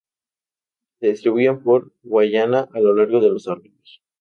Se distribuyen por Guyana a lo largo de los arroyos.